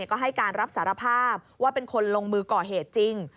ก็ให้การรับสารภาพว่าเป็นคนลงมือก่อเหตุจริง